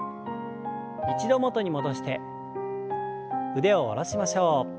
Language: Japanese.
一度元に戻して腕を下ろしましょう。